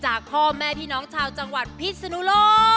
พ่อแม่พี่น้องชาวจังหวัดพิศนุโลก